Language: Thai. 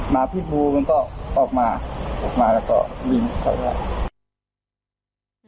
หมาพิษบูมันก็ออกมาออกมาแล้วก็ยิงเขาแล้ว